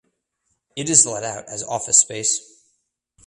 It is let out as office space.